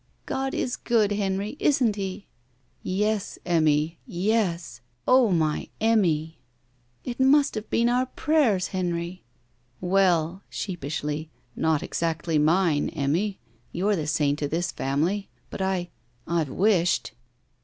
"God is good, Henry, isn't He?" "Yes, Enmiy, yes. Oh, my Enmiy!" "It must have been our prayers, Henry." "Well," sheepishly, "not exactly mine, Emmy; you're the saint of this family. But I — I 've wished.